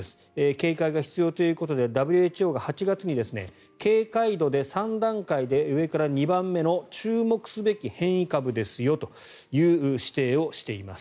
警戒が必要ということでＷＨＯが８月に警戒度で３段階で上から２番目の注目すべき変異株ですよという指定をしています。